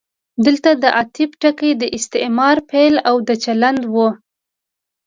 دلته د عطف ټکی د استعمار پیل او د چلند و.